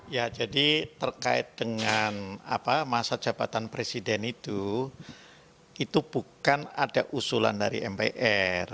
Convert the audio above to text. ya jadi terkait dengan masa jabatan presiden itu itu bukan ada usulan dari mpr